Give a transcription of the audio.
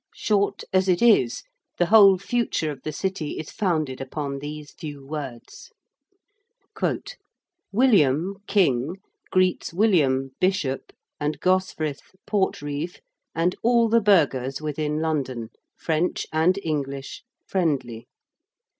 Short as it is, the whole future of the City is founded upon these few words: 'William King greets William Bishop and Gosfrith Portreeve and all the burghers within London, French and English, friendly.